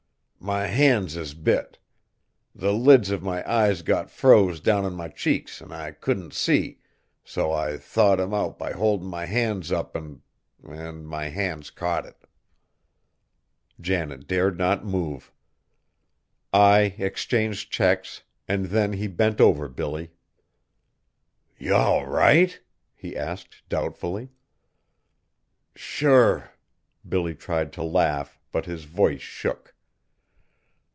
My hands is bit. The lids of my eyes got froze down on my cheeks an' I couldn't see, so I thawed 'em out by holdin' my hands up, an' an' my hands caught it!" Janet dared not move. Ai exchanged checks, and then he bent over Billy. "Ye all right?" he asked doubtfully. "Sure." Billy tried to laugh, but his voice shook.